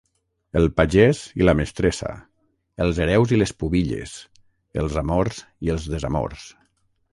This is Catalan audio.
El pagès i la mestressa, els hereus i les pubilles, els amors i els desamors.